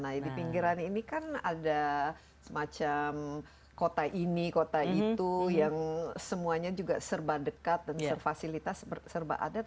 nah di pinggiran ini kan ada semacam kota ini kota itu yang semuanya juga serba dekat dan serfasilitas serba adat